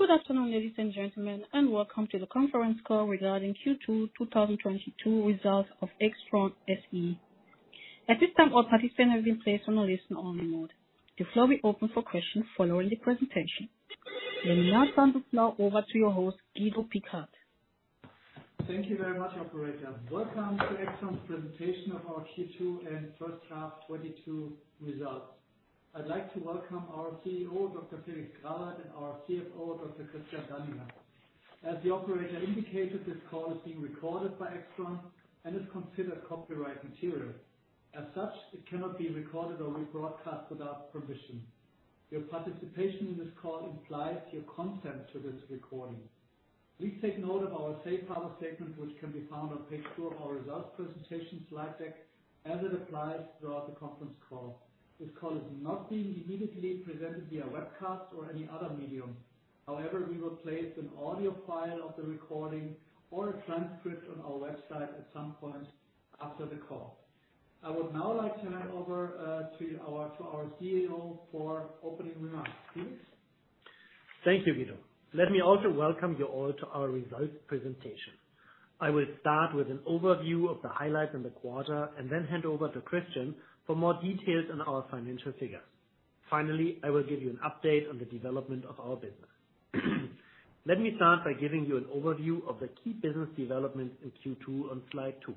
Good afternoon, ladies and gentlemen, and welcome to the conference call regarding Q2 2022 results of AIXTRON SE. At this time, all participants have been placed on a listen-only mode. The floor will be open for questions following the presentation. Let me hand the phone now over to your host, Guido Pickert. Thank you very much, operator. Welcome to AIXTRON's presentation of our Q2 and first half 2022 results. I'd like to welcome our CEO, Dr. Felix Grawert, and our CFO, Dr. Christian Danninger. As the operator indicated, this call is being recorded by AIXTRON and is considered copyright material. As such, it cannot be recorded or rebroadcast without permission. Your participation in this call implies your consent to this recording. Please take note of our safe harbor statement, which can be found on page two of our results presentation slide deck, as it applies throughout the conference call. This call is not being immediately presented via webcast or any other medium. However, we will place an audio file of the recording or a transcript on our website at some point after the call. I would now like to hand over to our CEO for opening remarks. Felix? Thank you, Guido. Let me also welcome you all to our results presentation. I will start with an overview of the highlights in the quarter, and then hand over to Christian for more details on our financial figures. Finally, I will give you an update on the development of our business. Let me start by giving you an overview of the key business developments in Q2 on slide two.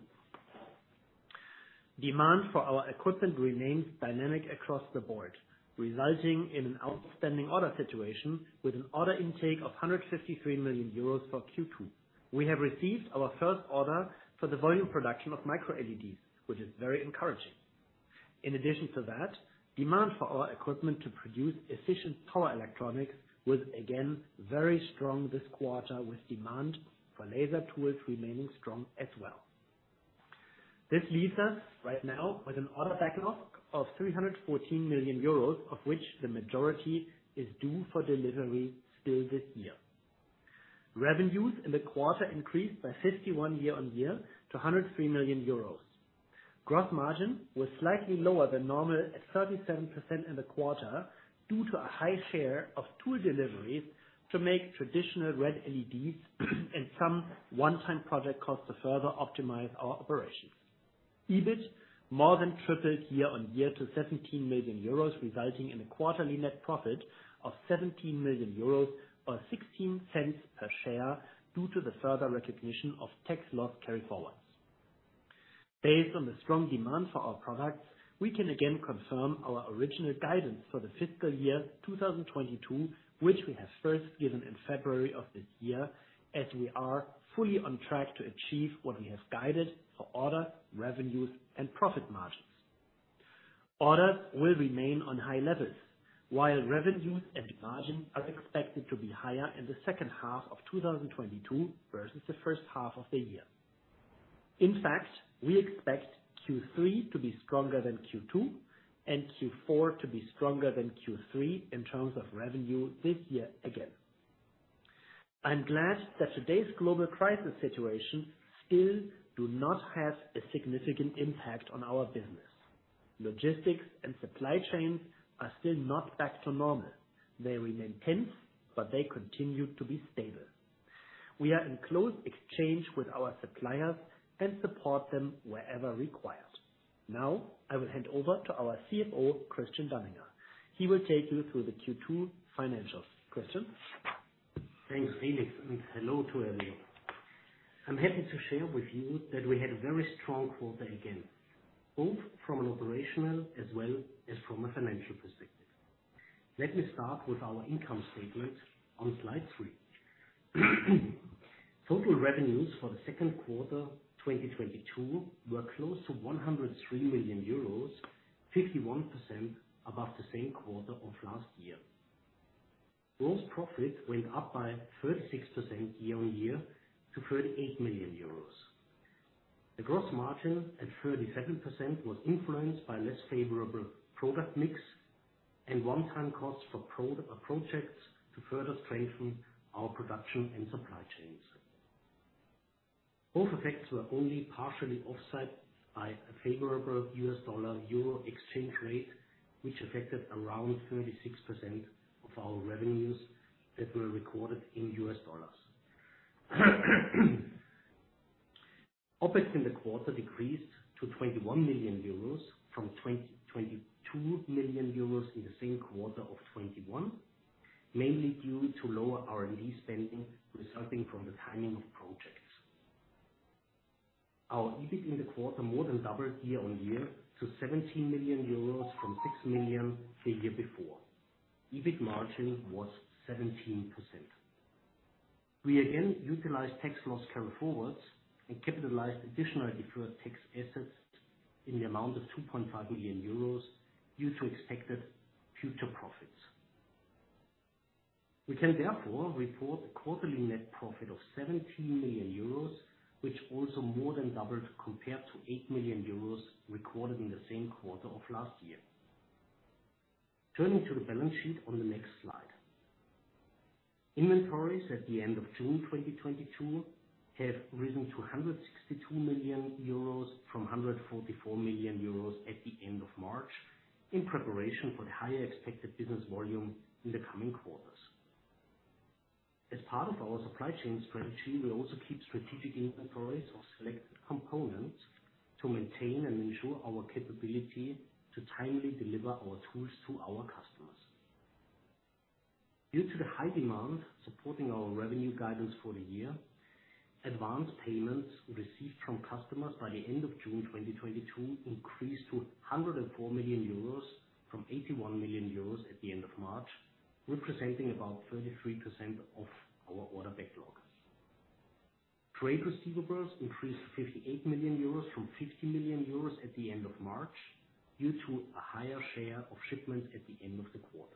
Demand for our equipment remains dynamic across the board, resulting in an outstanding order situation with an order intake of 153 million euros for Q2. We have received our first order for the volume production of Micro LED, which is very encouraging. In addition to that, demand for our equipment to produce efficient power electronics was again very strong this quarter, with demand for laser tools remaining strong as well. This leaves us right now with an order backlog of 314 million euros, of which the majority is due for delivery still this year. Revenues in the quarter increased by 51% year-on-year to 103 million euros. Gross margin was slightly lower than normal, at 37% in the quarter, due to a high share of tool deliveries to make traditional red LEDs and some one-time project costs to further optimize our operations. EBIT more than tripled year-on-year to 17 million euros, resulting in a quarterly net profit of 17 million euros or $0.16 Per share due to the further recognition of tax loss carryforwards. Based on the strong demand for our products, we can again confirm our original guidance for the fiscal year 2022, which we have first given in February of this year, as we are fully on track to achieve what we have guided for orders, revenues, and profit margins. Orders will remain on high levels, while revenues and margin are expected to be higher in the second half of 2022 versus the first half of the year. In fact, we expect Q3 to be stronger than Q2 and Q4 to be stronger than Q3 in terms of revenue this year again. I'm glad that today's global crisis situation still do not have a significant impact on our business. Logistics and supply chains are still not back to normal. They remain tense, but they continue to be stable. We are in close exchange with our suppliers and support them wherever required. Now I will hand over to our CFO, Christian Danninger. He will take you through the Q2 financials. Christian? Thanks, Felix, and hello to everyone. I'm happy to share with you that we had a very strong quarter again, both from an operational as well as from a financial perspective. Let me start with our income statement on slide three. Total revenues for the second quarter 2022 were close to 103 million euros, 51% above the same quarter of last year. Gross profit went up by 36% year-on-year to 38 million euros. The gross margin at 37% was influenced by less favorable product mix and one-time costs for pro-projects to further strengthen our production and supply chains. Both effects were only partially offset by a favorable U.S. dollar/euro exchange rate, which affected around 36% of our revenues that were recorded in U.S. dollars. OpEx in the quarter decreased to 21 million euros from 22 million euros in the same quarter of 2021, mainly due to lower R&D spending resulting from the timing of projects. Our EBIT in the quarter more than doubled year-on-year to 17 million euros from 6 million the year before. EBIT margin was 17%. We again utilized tax loss carryforwards and capitalized additional deferred tax assets in the amount of 2.5 million euros due to expected future profits. We can therefore report a quarterly net profit of 17 million euros, which also more than doubled compared to 8 million euros recorded in the same quarter of last year. Turning to the balance sheet on the next slide. Inventories at the end of June 2022 have risen to 162 million euros from 144 million euros at the end of March, in preparation for the higher expected business volume in the coming quarters. As part of our supply chain strategy, we also keep strategic inventories of select components to maintain and ensure our capability to timely deliver our tools to our customers. Due to the high demand supporting our revenue guidance for the year, advance payments received from customers by the end of June 2022 increased to 104 million euros from 81 million euros at the end of March, representing about 33% of our order backlog. Trade receivables increased 58 million euros from 50 million euros at the end of March, due to a higher share of shipments at the end of the quarter.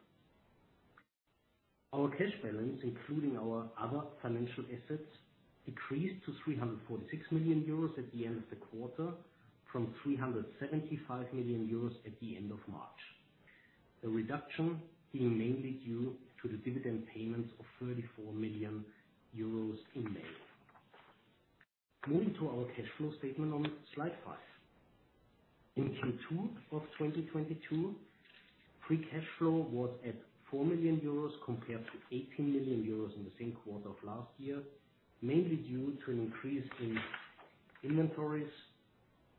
Our cash balance, including our other financial assets, decreased to 346 million euros at the end of the quarter from 375 million euros at the end of March. The reduction being mainly due to the dividend payments of 34 million euros in May. Moving to our cash flow statement on slide 5. In Q2 of 2022, free cash flow was at 4 million euros compared to 18 million euros in the same quarter of last year, mainly due to an increase in inventories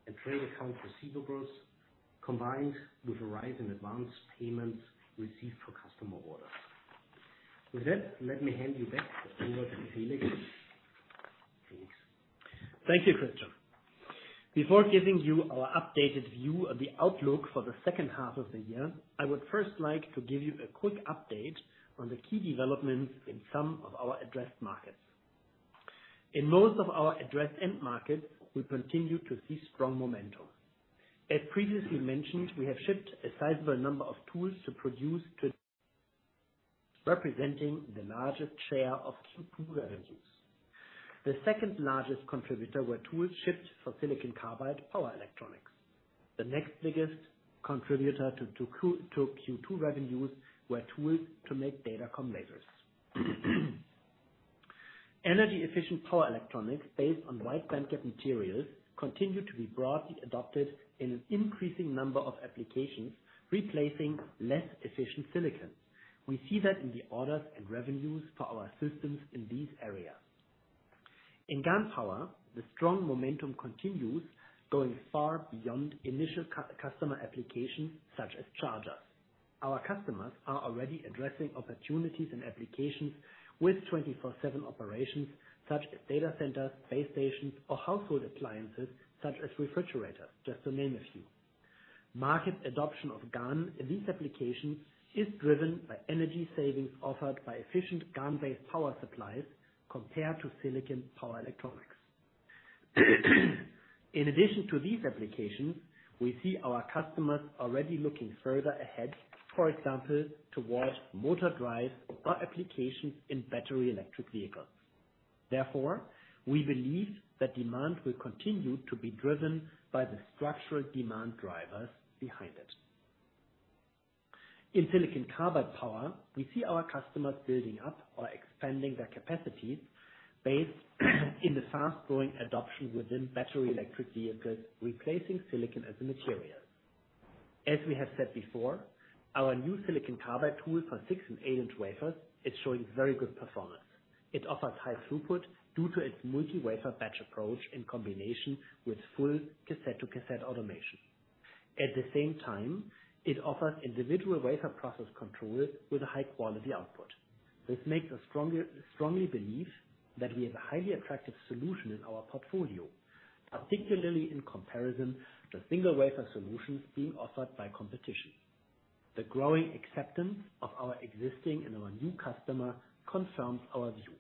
and trade accounts receivable, combined with a rise in advance payments received for customer orders. With that, let me hand you back over to Felix. Felix? Thank you, Christian. Before giving you our updated view of the outlook for the second half of the year, I would first like to give you a quick update on the key developments in some of our addressed markets. In most of our addressed end markets, we continue to see strong momentum. As previously mentioned, we have shipped a sizable number of tools representing the largest share of Q2 revenues. The second largest contributor were tools shipped for silicon carbide power electronics. The next biggest contributor to Q2 revenues were tools to make datacom lasers. Energy-efficient power electronics based on wide bandgap materials continue to be broadly adopted in an increasing number of applications, replacing less efficient silicon. We see that in the orders and revenues for our systems in these areas. In GaN power, the strong momentum continues, going far beyond initial customer applications such as chargers. Our customers are already addressing opportunities and applications with 24/7 operations, such as data centers, base stations, or household appliances such as refrigerators, just to name a few. Market adoption of GaN in these applications is driven by energy savings offered by efficient GaN-based power supplies compared to silicon power electronics. In addition to these applications, we see our customers already looking further ahead, for example, towards motor drive or applications in battery electric vehicles. Therefore, we believe that demand will continue to be driven by the structural demand drivers behind it. In silicon carbide power, we see our customers building up or expanding their capacities based on the fast-growing adoption within battery electric vehicles, replacing silicon as a material. As we have said before, our new silicon carbide tool for 6- and 8-inch wafers is showing very good performance. It offers high throughput due to its multi-wafer batch approach in combination with full cassette-to-cassette automation. At the same time, it offers individual wafer process controls with a high quality output. This makes us strongly believe that we have a highly attractive solution in our portfolio, particularly in comparison to single wafer solutions being offered by competition. The growing acceptance of our existing and our new customer confirms our view.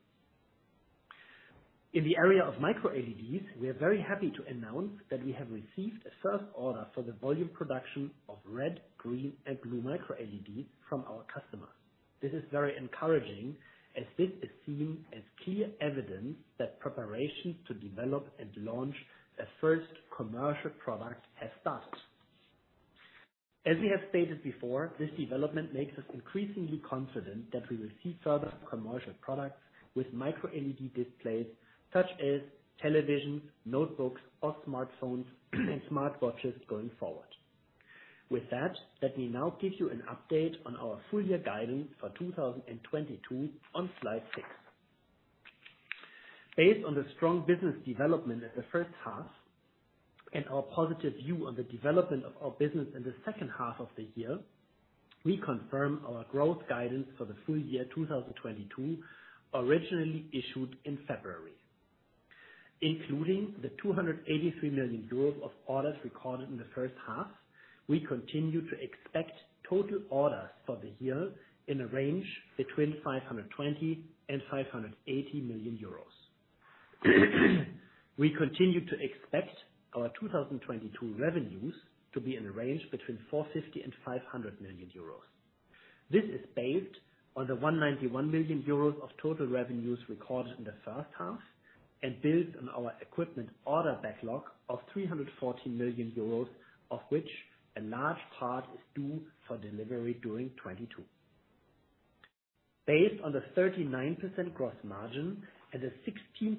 In the area of Micro LED, we are very happy to announce that we have received a first order for the volume production of red, green, and blue Micro LED from our customers. This is very encouraging as this is seen as clear evidence that preparations to develop and launch a first commercial product has started. As we have stated before, this development makes us increasingly confident that we will see further commercial products with Micro LED displays, such as television, notebooks or smartphones and smartwatches going forward. With that, let me now give you an update on our full year guidance for 2022 on slide six. Based on the strong business development in the first half and our positive view on the development of our business in the second half of the year, we confirm our growth guidance for the full year 2022, originally issued in February. Including the 283 million euros of orders recorded in the first half, we continue to expect total orders for the year in a range between 520 million and 580 million euros. We continue to expect our 2022 revenues to be in a range between 450 million and 500 million euros. This is based on the 191 million euros of total revenues recorded in the first half. Build on our equipment order backlog of 340 million euros, of which a large part is due for delivery during 2022. Based on the 39% gross margin and the 16%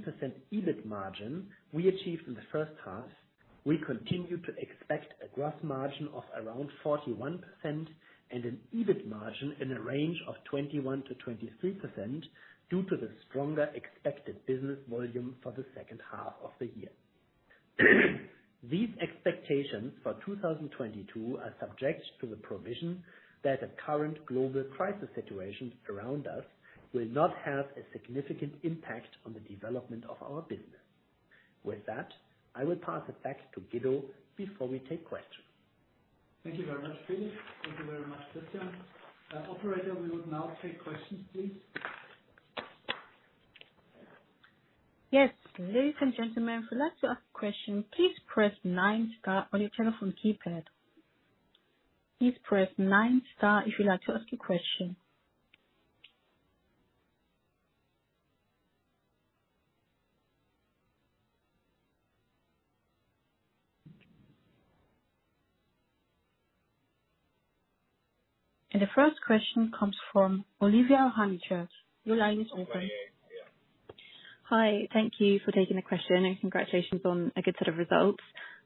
EBIT margin we achieved in the first half, we continue to expect a gross margin of around 41% and an EBIT margin in a range of 21%-23% due to the stronger expected business volume for the second half of the year. These expectations for 2022 are subject to the provision that the current global crisis situation around us will not have a significant impact on the development of our business. With that, I will pass it back to Guido before we take questions. Thank you very much, Felix. Thank you very much, Christian. Operator, we will now take questions, please. Yes. Ladies and gentlemen, if you'd like to ask a question, please press nine star on your telephone keypad. Please press nine star if you'd like to ask a question. The first question comes from Olivia Honychurch. Your line is open. Hi. Thank you for taking the question, and congratulations on a good set of results.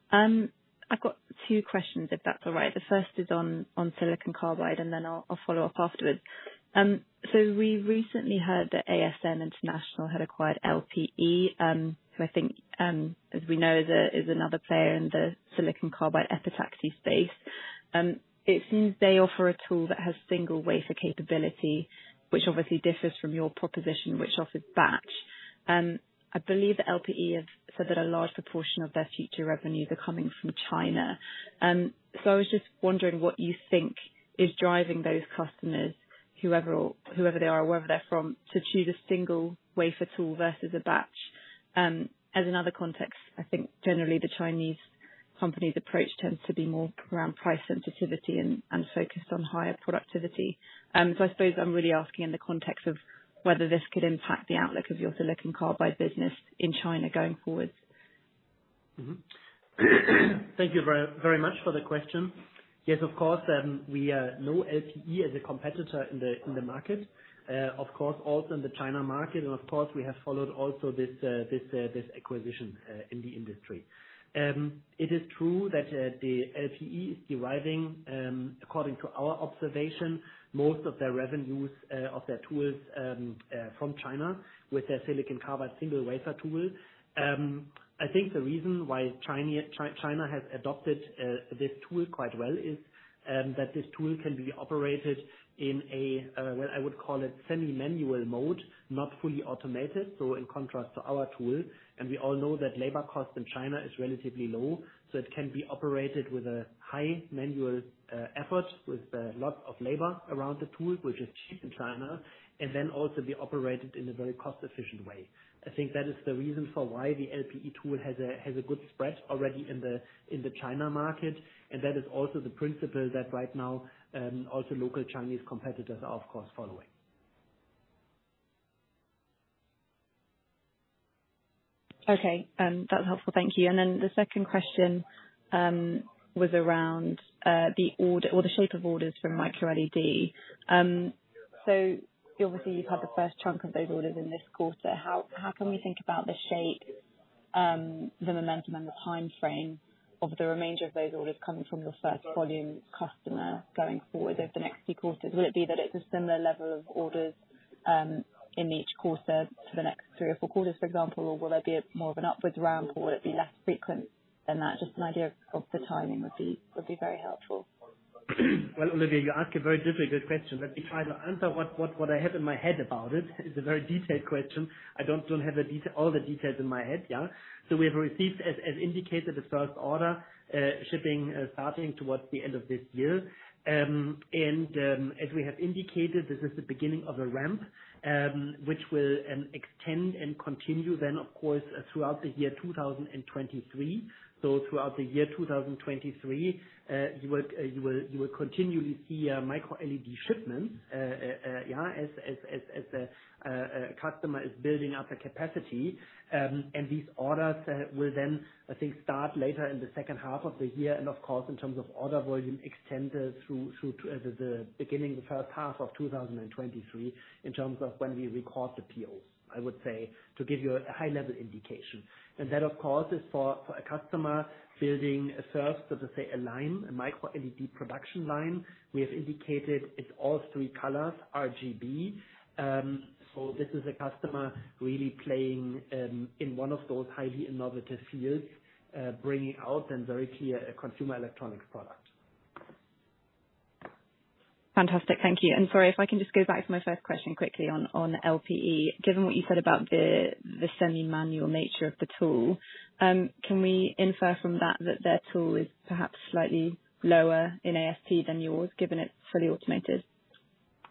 I've got two questions, if that's all right. The first is on silicon carbide, and then I'll follow up afterwards. So we recently heard that ASM International had acquired LPE, who I think, as we know, is another player in the silicon carbide epitaxy space. It seems they offer a tool that has single wafer capability, which obviously differs from your proposition, which offers batch. I believe that LPE have said that a large proportion of their future revenue are coming from China. So I was just wondering what you think is driving those customers, whoever they are or wherever they're from, to choose a single wafer tool versus a batch. As another context, I think generally the Chinese company's approach tends to be more around price sensitivity and focused on higher productivity. I suppose I'm really asking in the context of whether this could impact the outlook of your silicon carbide business in China going forward. Mm-hmm. Thank you very, very much for the question. Yes, of course, we know LPE as a competitor in the market. Of course, also in the China market and of course we have followed also this acquisition in the industry. It is true that the LPE is deriving according to our observation most of their revenues of their tools from China with their silicon carbide single-wafer tool. I think the reason why China has adopted this tool quite well is that this tool can be operated in a what I would call a semi-manual mode, not fully automated, so in contrast to our tool. We all know that labor cost in China is relatively low, so it can be operated with a high manual effort with a lot of labor around the tool, which is cheap in China, and then also be operated in a very cost-efficient way. I think that is the reason for why the LPE tool has a good spread already in the China market, and that is also the principle that right now also local Chinese competitors are of course following. Okay. That's helpful. Thank you. The second question was around the order or the shape of orders from Micro LED. Obviously you've had the first chunk of those orders in this quarter. How can we think about the shape, the momentum and the timeframe of the remainder of those orders coming from your first volume customer going forward over the next few quarters? Will it be that it's a similar level of orders in each quarter for the next three or four quarters, for example? Or will there be more of an upwards round, or will it be less frequent than that? Just an idea of the timing would be very helpful. Well, Olivia, you ask a very difficult question. Let me try to answer what I have in my head about it. It's a very detailed question. I don't have the detail, all the details in my head? We have received, as indicated, the first order, shipping starting towards the end of this year. As we have indicated, this is the beginning of a ramp, which will extend and continue then of course throughout the year 2023. Throughout the year 2023, you will continually see Micro LED shipments, as customer is building up the capacity. These orders will then I think start later in the second half of the year and of course in terms of order volume extend through to the beginning of the first half of 2023 in terms of when we record the POs, I would say, to give you a high level indication. That of course is for a customer building a first, so to say a line, a Micro LED production line. We have indicated it's all three colors, RGB. This is a customer really playing in one of those highly innovative fields, bringing out and very clear a consumer electronics product. Fantastic. Thank you. Sorry, if I can just go back to my first question quickly on LPE. Given what you said about the semi-manual nature of the tool, can we infer from that that their tool is perhaps slightly lower in ASP than yours given it's fully automated?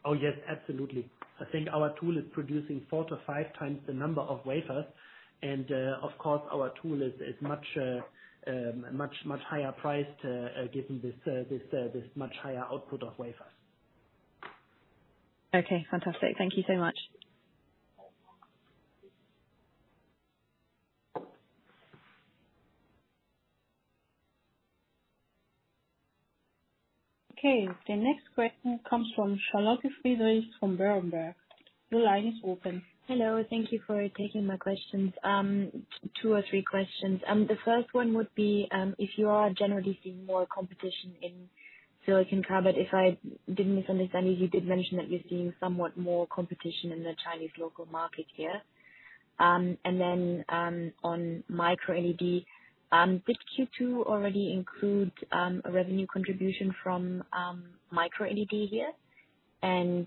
Oh, yes, absolutely. I think our tool is producing 4-5 times the number of wafers and, of course, our tool is much higher priced, given this much higher output of wafers. Okay, fantastic. Thank you so much. Okay, the next question comes from Charlotte Friedrichs from Berenberg. The line is open. Hello, thank you for taking my questions. Two or three questions. The first one would be if you are generally seeing more competition in silicon carbide. If I didn't misunderstand you did mention that you're seeing somewhat more competition in the Chinese local market here. On Micro LED, did Q2 already include a revenue contribution from Micro LED here? Thirdly,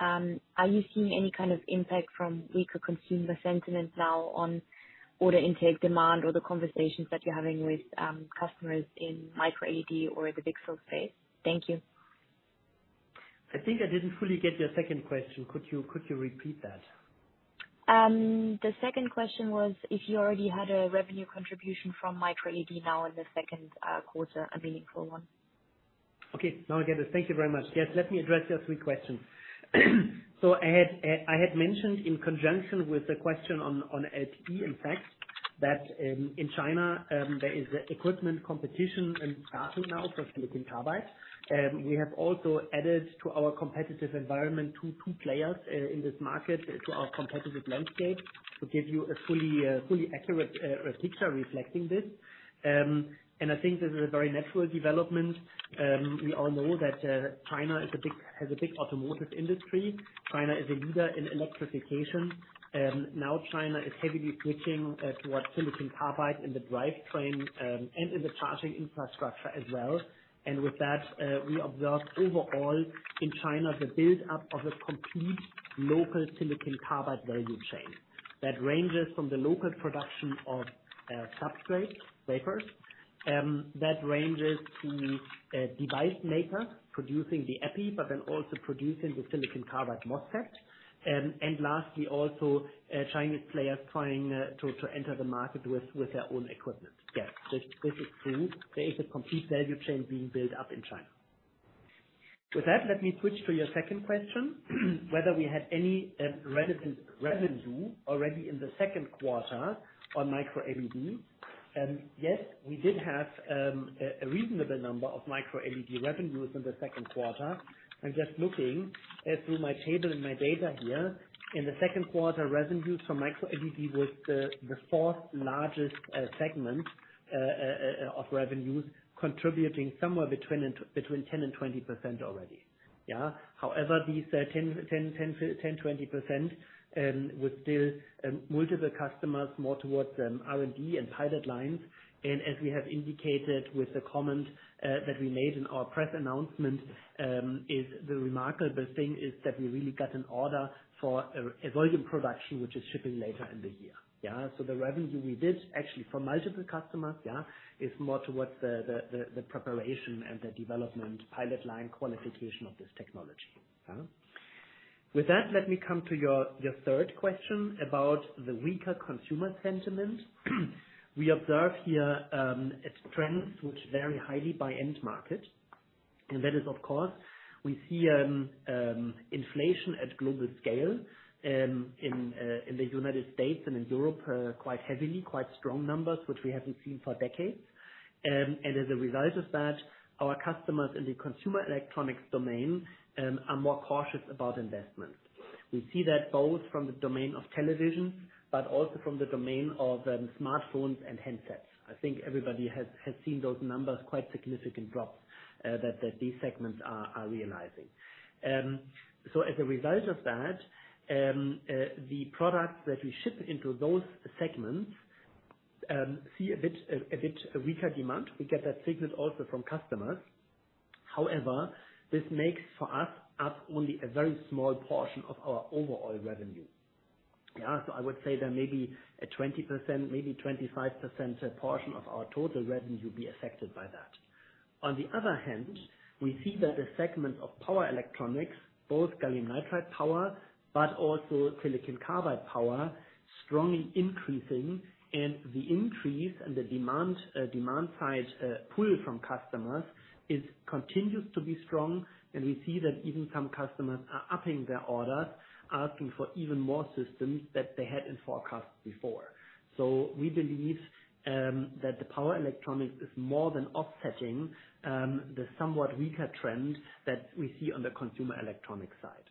are you seeing any kind of impact from weaker consumer sentiment now on order intake demand or the conversations that you're having with customers in Micro LED or the pixel space? Thank you. I think I didn't fully get your second question. Could you repeat that? The second question was if you already had a revenue contribution from Micro LED now in the second quarter, a meaningful one. Okay. Now I get it. Thank you very much. Yes, let me address your three questions. I had mentioned in conjunction with the question on LPE, in fact, that in China there is equipment competition starting now for silicon carbide. We have also added to our competitive environment two players in this market to our competitive landscape to give you a fully accurate picture reflecting this. I think this is a very natural development. We all know that China has a big automotive industry. China is a leader in electrification. Now China is heavily switching towards silicon carbide in the drivetrain and in the charging infrastructure as well. With that, we observe overall in China the build-up of a complete local silicon carbide value chain that ranges from the local production of substrate wafers to device makers producing the epi, but then also producing the silicon carbide MOSFET. Lastly, also, Chinese players trying to enter the market with their own equipment. Yes, this is true. There is a complete value chain being built up in China. With that, let me switch to your second question, whether we had any revenue already in the second quarter on Micro LED. Yes, we did have a reasonable number of Micro LED revenues in the second quarter. I'm just looking through my table and my data here. In the second quarter, revenues from Micro LED were the fourth largest segment of revenues, contributing somewhere between 10% and 20% already. However, these 10%-20% with still multiple customers more towards R&D and pilot lines, and as we have indicated with the comment that we made in our press announcement, is the remarkable thing is that we really got an order for a volume production which is shipping later in the year. So the revenue we did actually for multiple customers is more towards the preparation and the development pilot line qualification of this technology. With that, let me come to your third question about the weaker consumer sentiment. We observe here trends which vary highly by end market, and that is, of course, we see inflation at global scale, in the United States and in Europe, quite heavily, quite strong numbers, which we haven't seen for decades. As a result of that, our customers in the consumer electronics domain are more cautious about investment. We see that both from the domain of television but also from the domain of smartphones and handsets. I think everybody has seen those numbers, quite significant drops that these segments are realizing. As a result of that, the products that we ship into those segments see a bit weaker demand. We get that signal also from customers. However, this makes for us only a very small portion of our overall revenue. Yeah. I would say that maybe a 20%, maybe 25% portion of our total revenue will be affected by that. On the other hand, we see that the segment of power electronics, both gallium nitride power, but also silicon carbide power, strongly increasing. The increase and the demand side pull from customers continues to be strong. We see that even some customers are upping their orders, asking for even more systems that they hadn't forecast before. We believe that the power electronics is more than offsetting the somewhat weaker trend that we see on the consumer electronics side.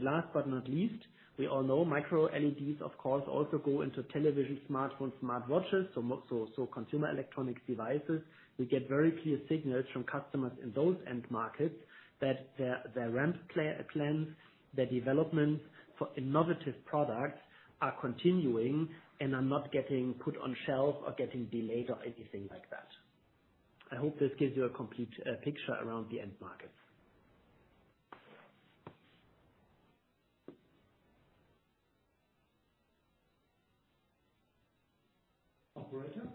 Last but not least, we all know Micro LED, of course, also go into television, smartphones, smartwatches, so consumer electronics devices. We get very clear signals from customers in those end markets that their ramp plans, their development for innovative products are continuing and are not getting put on shelf or getting delayed or anything like that. I hope this gives you a complete picture around the end markets. Operator?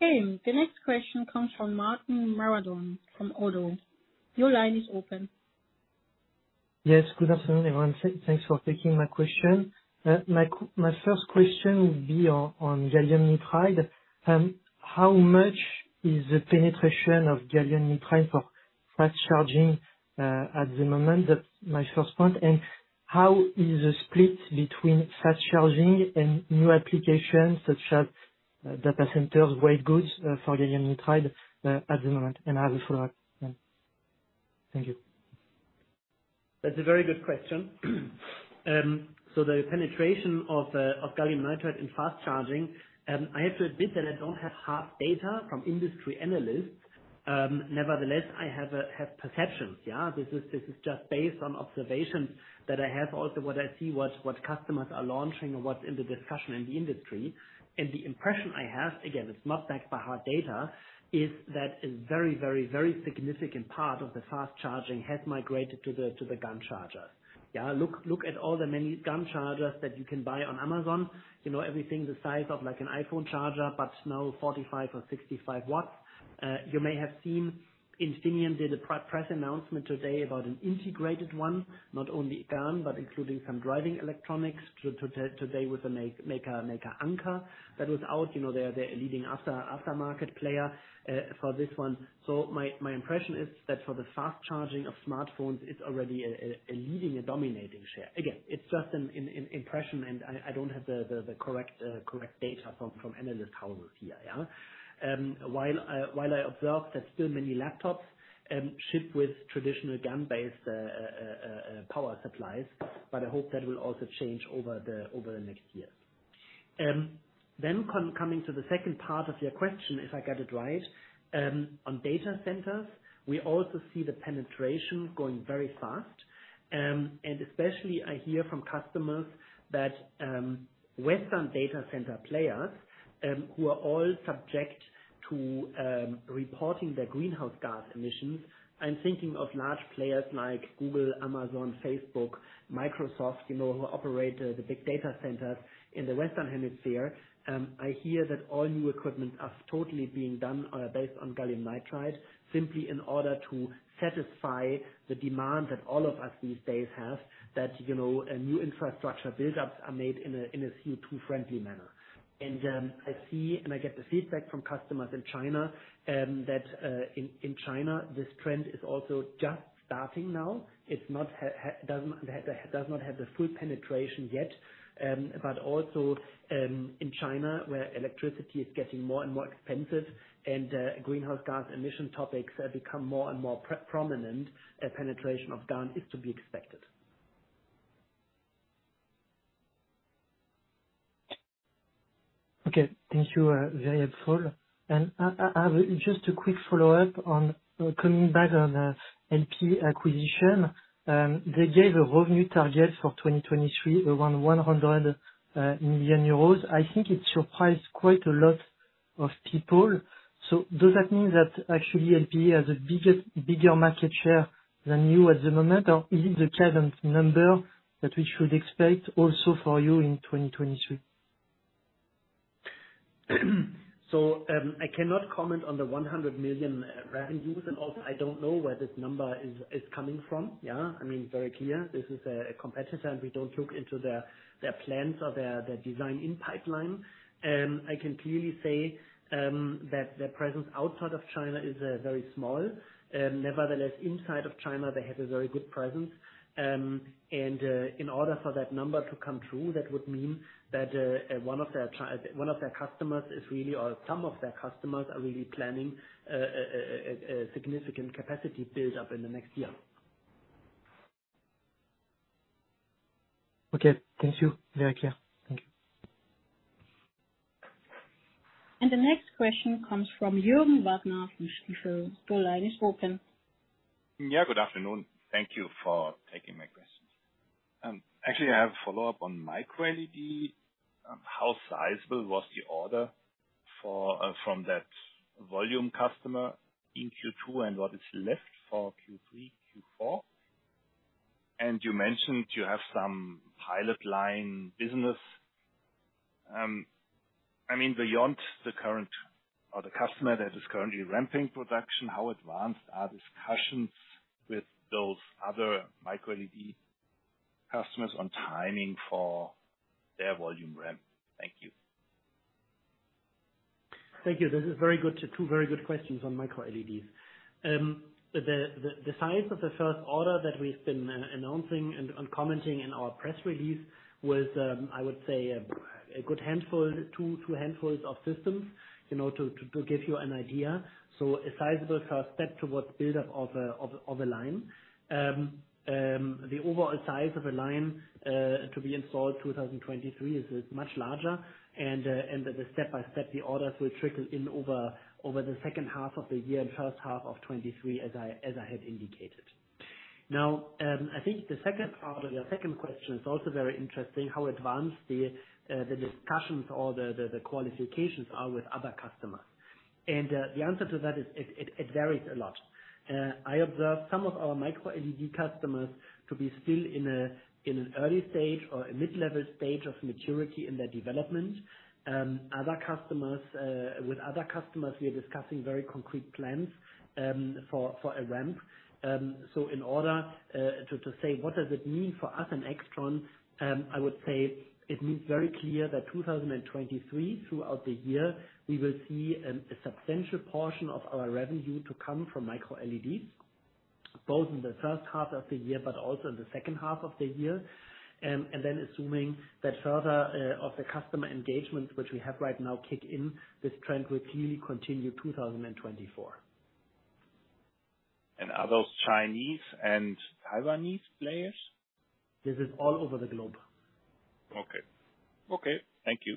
Okay. The next question comes from Martin Marandon-Carlhian from Oddo BHF. Your line is open. Yes. Good afternoon, everyone. Thanks for taking my question. My first question will be on gallium nitride. How much is the penetration of gallium nitride for fast charging at the moment? That's my first point. How is the split between fast charging and new applications such as data centers, white goods for gallium nitride at the moment? I have a follow-up, yeah. Thank you. That's a very good question. So the penetration of gallium nitride in fast charging, I have to admit that I don't have hard data from industry analysts. Nevertheless, I have perceptions, yeah? This is just based on observations that I have. Also, what I see, what customers are launching and what's in the discussion in the industry. The impression I have, again, it's not backed by hard data, is that a very, very, very significant part of the fast charging has migrated to the GaN charger. Yeah. Look, look at all the many GaN chargers that you can buy on Amazon. You know, everything the size of like an iPhone charger but now 45 or 65 watts. You may have seen Infineon did a press announcement today about an integrated one, not only GaN, but including some driving electronics today with a maker Anker that was out. You know, they are the leading aftermarket player for this one. My impression is that for the fast charging of smartphones, it's already a leading and dominating share. Again, it's just an impression, and I don't have the correct data from analyst houses here, yeah? While I observe there's still many laptops ship with traditional GaN-based power supplies, but I hope that will also change over the next year. Coming to the second part of your question, if I got it right, on data centers, we also see the penetration going very fast. Especially I hear from customers that Western data center players who are all subject to reporting their greenhouse gas emissions. I'm thinking of large players like Google, Amazon, Facebook, Microsoft, you know, who operate the big data centers in the Western Hemisphere. I see and I get the feedback from customers in China that in China this trend is also just starting now. It does not have the full penetration yet. Also, in China, where electricity is getting more and more expensive and greenhouse gas emission topics have become more and more prominent, a penetration of GaN is to be expected. Okay. Thank you. Very helpful. I have just a quick follow-up on coming back on LPE acquisition. They gave a revenue target for 2023 around 100 million euros. I think it surprised quite a lot of people. Does that mean that actually LPE has a bigger market share than you at the moment? Or is it the current number that we should expect also for you in 2023? I cannot comment on the 100 million revenues. I don't know where this number is coming from, yeah? I mean, very clear, this is a competitor, and we don't look into their plans or their design-in pipeline. I can clearly say that their presence outside of China is very small. Nevertheless, inside of China, they have a very good presence. In order for that number to come true, that would mean that one of their customers is really, or some of their customers are really planning a significant capacity build-up in the next year. Okay. Thank you. Very clear. Thank you. The next question comes from Jürgen Wagner from DekaBank. Your line is open. Yeah, good afternoon. Thank you for taking my questions. Actually, I have a follow-up on Micro LED. How sizable was the order from that volume customer in Q2, and what is left for Q3, Q4? You mentioned you have some pilot line business. I mean, beyond the current or the customer that is currently ramping production, how advanced are discussions with those other Micro LED customers on timing for their volume ramp? Thank you. Thank you. This is very good. Two very good questions on MicroLEDs. The size of the first order that we've been announcing and commenting in our press release was, I would say, a good handful, two handfuls of systems, you know, to give you an idea. A sizable first step towards build-up of a line. The overall size of a line to be installed 2023 is much larger. The step-by-step, the orders will trickle in over the second half of the year and first half of 2023, as I had indicated. Now, I think the second part of your second question is also very interesting. How advanced the discussions or the qualifications are with other customers. The answer to that is it varies a lot. I observe some of our Micro LED customers to be still in an early stage or a mid-level stage of maturity in their development. Other customers, with other customers, we are discussing very concrete plans for a ramp. So in order to say what does it mean for us in AIXTRON, I would say it means very clear that 2023, throughout the year, we will see a substantial portion of our revenue to come from Micro LED, both in the first half of the year but also in the second half of the year. Then assuming that further of the customer engagements which we have right now kick in, this trend will clearly continue 2024. Are those Chinese and Taiwanese players? This is all over the globe. Okay. Okay, thank you.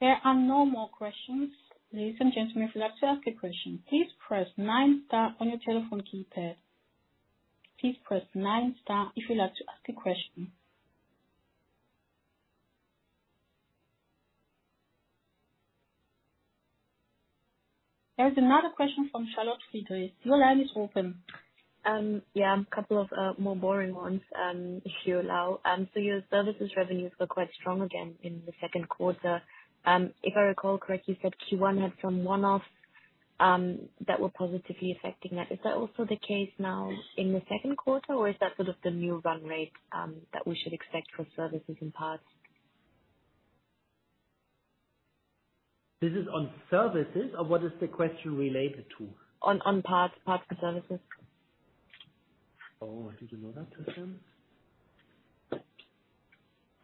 There are no more questions. Ladies and gentlemen, if you'd like to ask a question, please press nine star on your telephone keypad. Please press nine star if you'd like to ask a question. There is another question from Charlotte Friedrichs. Your line is open. Yeah, a couple of more boring ones, if you allow. Your services revenues were quite strong again in the second quarter. If I recall correctly, you said Q1 had some one-offs that were positively affecting that. Is that also the case now in the second quarter, or is that sort of the new run rate that we should expect for services in parts? This is on services, or what is the question related to? On parts and services. Oh, I didn't know that. Christian?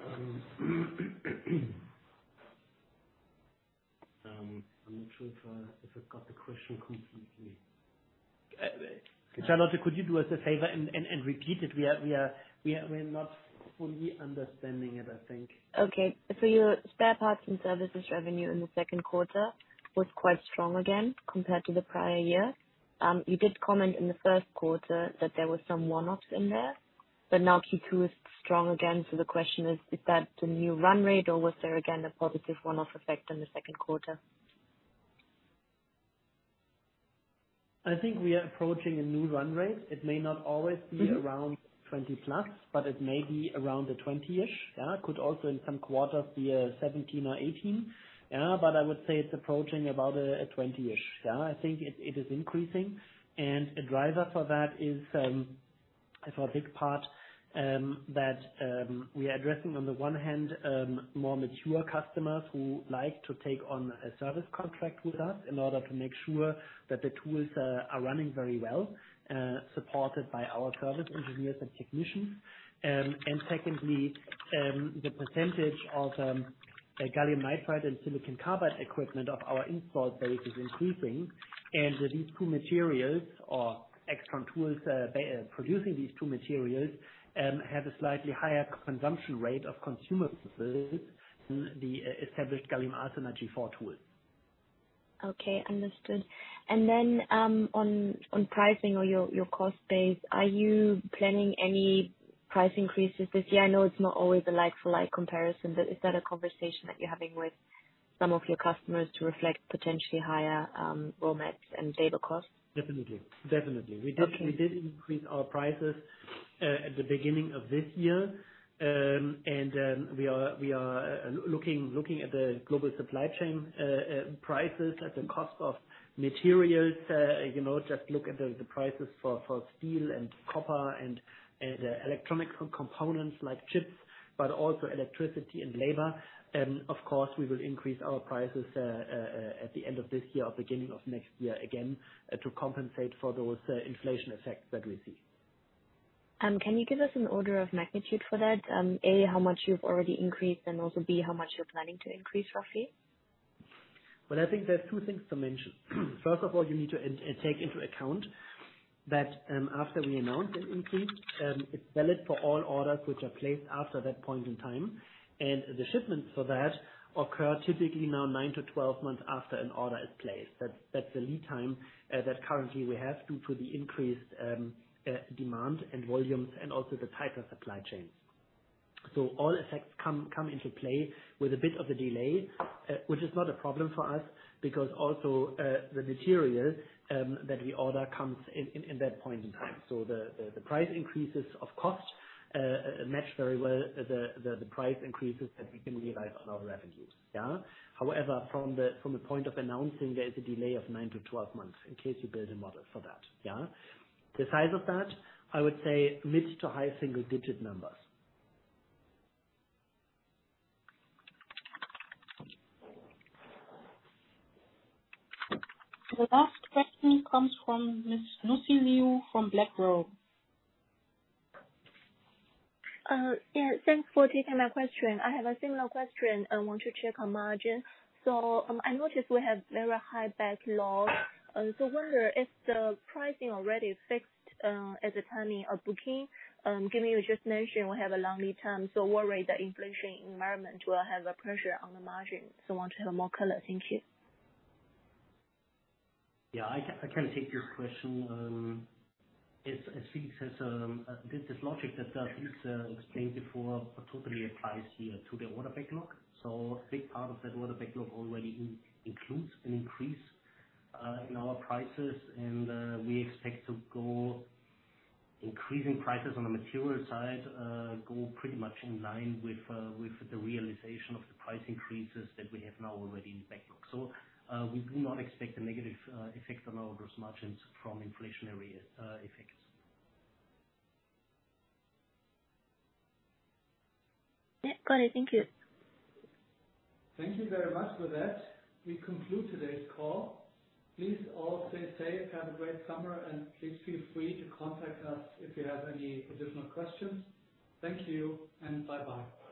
I'm not sure if I got the question completely. Charlotte, could you do us a favor and repeat it? We're not fully understanding it, I think. Okay. Your spare parts and services revenue in the second quarter was quite strong again compared to the prior year. You did comment in the first quarter that there was some one-offs in there, but now Q2 is strong again. The question is that the new run rate or was there again a positive one-off effect in the second quarter? I think we are approaching a new run rate. It may not always- Mm-hmm. ...be around 20%+, but it may be around the 20%-ish. Yeah. It could also in some quarters be 17% or 18%. Yeah. But I would say it's approaching about a 20%-ish. Yeah. I think it is increasing. A driver for that is, for a big part, that we are addressing on the one hand more mature customers who like to take on a service contract with us in order to make sure that the tools are running very well, supported by our service engineers and technicians. And secondly, the percentage of the gallium nitride and silicon carbide equipment of our installed base is increasing. These two materials or AIXTRON tools they're producing these two materials have a slightly higher consumption rate of consumables than the established gallium arsenide G4 tools. Okay, understood. Then, on pricing or your cost base, are you planning any price increases this year? I know it's not always a like-for-like comparison, but is that a conversation that you're having with some of your customers to reflect potentially higher, raw materials and labor costs? Definitely. Okay. We did increase our prices at the beginning of this year. We are looking at the global supply chain prices and the cost of materials. You know, just look at the prices for steel and copper and electronic components like chips, but also electricity and labor. Of course, we will increase our prices at the end of this year or beginning of next year again to compensate for those inflation effects that we see. Can you give us an order of magnitude for that? A, how much you've already increased, and also B, how much you're planning to increase your fee? Well, I think there's two things to mention. First of all, you need to take into account that, after we announce an increase, it's valid for all orders which are placed after that point in time. The shipments for that occur typically now 9-12 months after an order is placed. That's the lead time that currently we have due to the increased demand and volumes and also the type of supply chains. All effects come into play with a bit of a delay, which is not a problem for us because also the material that we order comes in in that point in time. The price increases of cost match very well the price increases that we can realize on our revenues. Yeah. However, from the point of announcing, there is a delay of 9-12 months in case you build a model for that. Yeah. The size of that, I would say mid- to high-single-digit numbers. The last question comes from Miss Lucy Liu from BlackRock. Yeah, thanks for taking my question. I have a similar question. I want to check on margin. I noticed we have very high backlogs. I wonder if the pricing already fixed at the time of booking. Given you just mentioned we have a long lead time, worry the inflation environment will have a pressure on the margin. I want to have more color. Thank you. Yeah, I can take your question. As Felix has this logic that Felix explained before totally applies here to the order backlog. A big part of that order backlog already includes an increase in our prices, and we expect to go increasing prices on the material side go pretty much in line with the realization of the price increases that we have now already in the backlog. We do not expect a negative effect on our gross margins from inflationary effects. Yeah. Got it. Thank you. Thank you very much for that. We conclude today's call. Please all stay safe, have a great summer, and please feel free to contact us if you have any additional questions. Thank you and bye-bye.